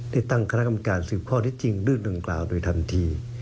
ได้ตั้งคณะกรรมการสืบข้อเท็จจริงเรื่องดังกล่าวโดยทันที